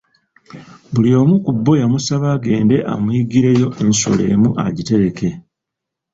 Buli omu ku bo yamusaba agende amuyiggireyo ensolo emu agitereke.